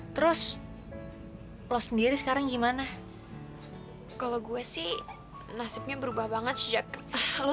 terus lo sendiri sekarang gimana kalau gue sih nasibnya berubah banget sejak lo